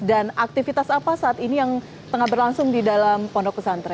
dan aktivitas apa saat ini yang tengah berlangsung di dalam pondok kesantri